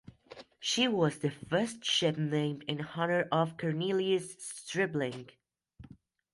She was the first ship named in honor of Cornelius Stribling.